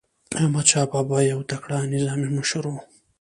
احمدشاه بابا یو تکړه نظامي مشر و.